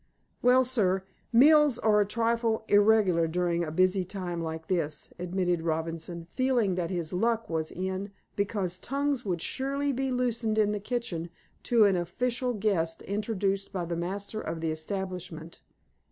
"Well, sir, meals are a trifle irregular during a busy time like this," admitted Robinson, feeling that his luck was in, because tongues would surely be loosened in the kitchen to an official guest introduced by the master of the establishment.